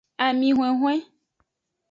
Ami hwenhwen.